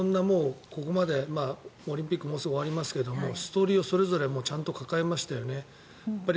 ここまでオリンピックもうすぐ終わりますけれどストーリ−をそれぞれちゃんと抱えましたよね。